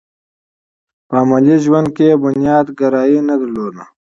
په عملي ژوند کې یې بنياد ګرايي نه درلوده.